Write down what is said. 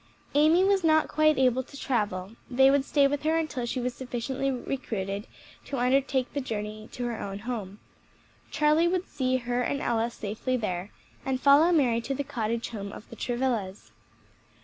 Amy was not quite able to travel; they would stay with her until she was sufficiently recruited to undertake the journey to her own home. Charlie would see her and Ella safely there, and follow Mary to the cottage home of the Travillas.